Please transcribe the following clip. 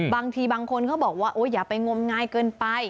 บางทีบางคนเขาบอกว่าอย่าไปงมงายเกินไป